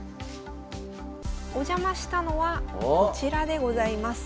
お邪魔したのはこちらでございます。